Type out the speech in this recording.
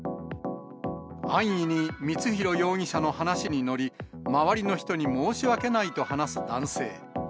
安易に光弘容疑者の話に乗り、周りの人に申し訳ないと話す男性。